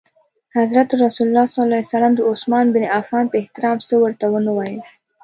حضرت رسول ص د عثمان بن عفان په احترام څه ورته ونه ویل.